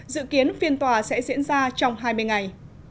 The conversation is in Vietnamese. dự kiến phiên tòa sẽ diễn ra trong hai mươi ngày